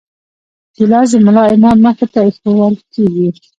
ګیلاس د ملا امام مخې ته ایښوول کېږي.